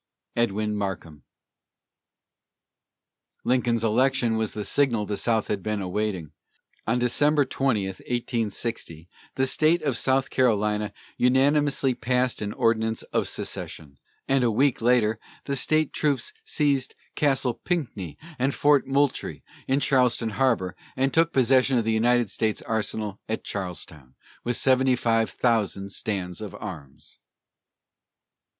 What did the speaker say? EDWIN MARKHAM. Lincoln's election was the signal the South had been awaiting. On December 20, 1860, the state of South Carolina unanimously passed an ordinance of secession, and a week later, the state troops seized Castle Pinckney and Fort Moultrie, in Charleston harbor, and took possession of the United States arsenal at Charleston, with seventy five thousand stands of arms.